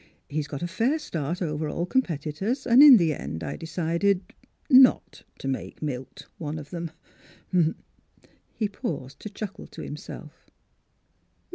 He's got a fair start over all competitors, and in the end I decided — not to make ' Milt ' one of them." He paused to chuckle to himself.